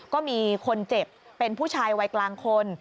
ก็มีคนเจ็บเป็นผู้ชายวัยกลางคน